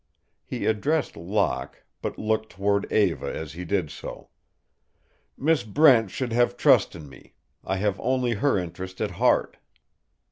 He addressed Locke, but looked toward Eva as he did so. "Miss Brent should have trust in me. I have only her interest at heart."